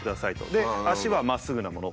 で足はまっすぐなもの。